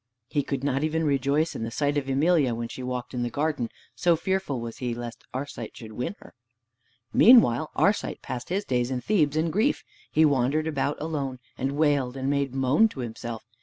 He could not even rejoice in the sight of Emelia when she walked in the garden, so fearful was he lest Arcite should win her. Meanwhile Arcite passed his days in Thebes in grief. He wandered about alone, and wailed and made moan to himself.